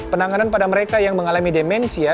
penanganan pada mereka yang mengalami demensia